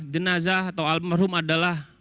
jenazah atau almarhum adalah